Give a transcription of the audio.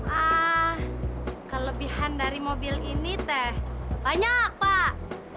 ah kelebihan dari mobil ini teh banyak pak